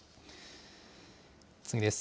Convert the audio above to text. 次です。